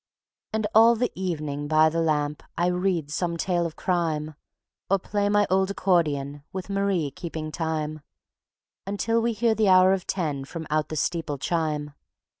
And all the evening by the lamp I read some tale of crime, Or play my old accordion With Marie keeping time, Until we hear the hour of ten From out the steeple chime.